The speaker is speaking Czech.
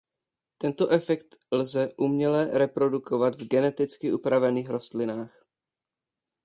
Tento efekt lze uměle reprodukovat v geneticky upravených rostlinách.